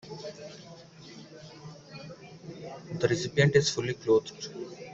The recipient is fully clothed.